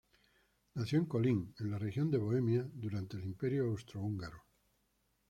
Nació en Kolín, en la región de Bohemia, durante el Imperio austrohúngaro.